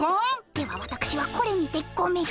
ではわたくしはこれにてごめん！